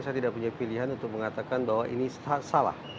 saya tidak punya pilihan untuk mengatakan bahwa ini salah